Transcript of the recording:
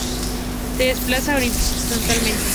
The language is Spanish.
Se desplaza horizontalmente.